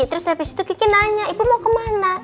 terus lepas itu gigi nanya ibu mau kemana